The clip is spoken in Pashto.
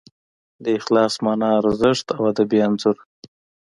د اخلاص مانا، ارزښت او ادبي انځور